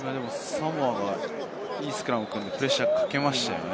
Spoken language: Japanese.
サモアがいいスクラムを組んで、プレッシャーをかけましたね。